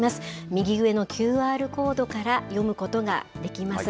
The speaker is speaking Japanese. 右上のＱＲコードから読むことができます。